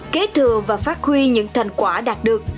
kế thừa và phát huy những thành quả đạt được